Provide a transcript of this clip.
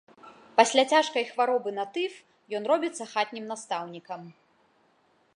Пасля цяжкай хваробы на тыф ён робіцца хатнім настаўнікам.